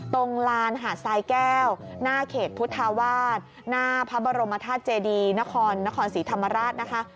ตรงลานหาดทรายแก้วหน้าเขตพุทธาวาสหน้าพระบรมธาตุเจดีนครนครศรีธรรมราชนะคะ